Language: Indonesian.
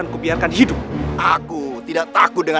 lepaskan anak itu raja gheni